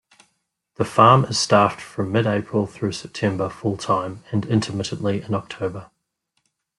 The farm is staffed from mid-April through September full-time, and intermittently in October.